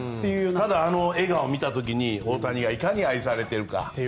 ただ、あの笑顔を見た時に大谷がいかに愛されているか。